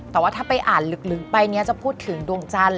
แต่ว่าถ้าไปอ่านลึกไปเนี่ยจะพูดถึงดวงจันทร์